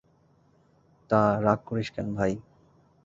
তা, রাগ করিস কেন ভাই?